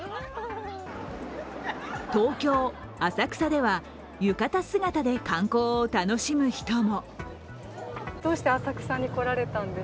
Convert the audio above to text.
東京・浅草では、浴衣姿で観光を楽しむ人も。